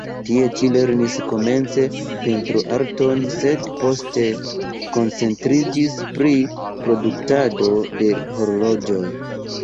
Tie ĉi lernis komence pentroarton, sed poste koncentriĝis pri produktado de horloĝoj.